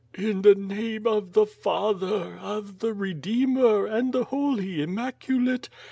"In the name of the Father, of the Redeemer, and the Holy Immaculate!